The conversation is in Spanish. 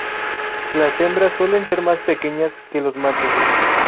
La hembras suelen ser más pequeñas que los machos.